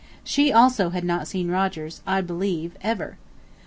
She also had not seen Rogers, I believe, ever.